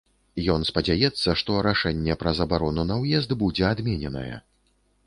Ён спадзяецца, што рашэнне пра забарону на ўезд будзе адмененае.